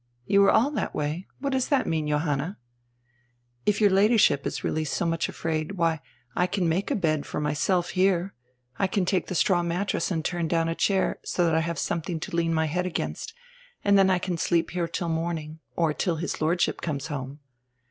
"You were all that way! What does that mean, Johanna?" "If your Ladyship is really so much afraid, why, I can make a bed for myself here. I can take the straw mattress and turn down a chair, so that I have something to lean my head against, and then I can sleep here till morning, or till his Lordship conies home."